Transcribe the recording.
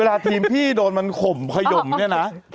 เวลาทีมพี่โดนมันข่มขยมเนี่ยนะ